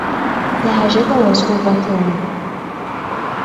The hijacker was overthrown.